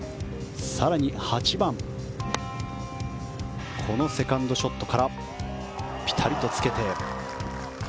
更に８番、セカンドショットからぴたりとつけて。